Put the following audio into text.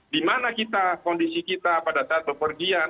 di mana kita kondisi kita pada saat bepergian